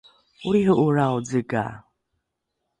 olriho’olrao zega